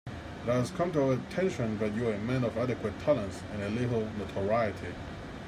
It has come to our attention that you are a man of adequate talents and little notoriety.